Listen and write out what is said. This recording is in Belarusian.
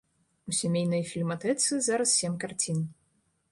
У сямейнай фільматэцы зараз сем карцін.